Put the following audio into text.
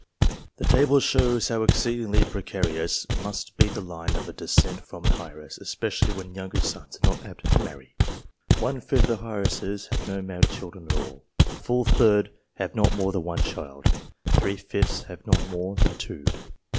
The table shows how exceedingly precarious must be the line of a descent from an heiress, especially when younger sons are not apt to marry. One fifth of the heiresses have no male children at all ; a full third have not more than one child ; three fifths have not more than two.